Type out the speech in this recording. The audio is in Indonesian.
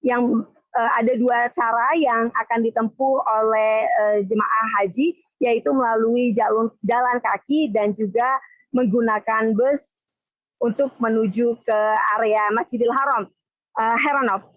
yang ada dua cara yang akan ditempuh oleh jemaah haji yaitu melalui jalan kaki dan juga menggunakan bus untuk menuju ke area masjidil haram